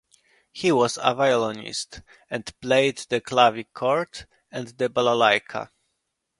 He was a violinist, and played the clavichord and the balalaika.